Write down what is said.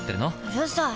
うるさい！